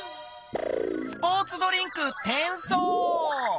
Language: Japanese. スポーツドリンクてんそう。